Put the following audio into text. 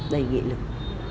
đầy nghị lực